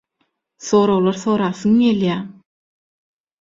Soraglar sorasyň gelýär.